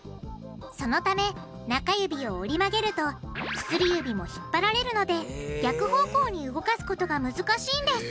そのため中指を折り曲げると薬指も引っ張られるので逆方向に動かすことが難しいんです